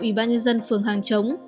ubnd phường hàng chống